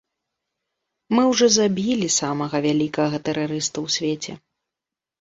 Мы ўжо забілі самага вялікага тэрарыста ў свеце.